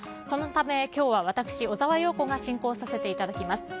そのため今日は私、小澤陽子が進行させていただきます。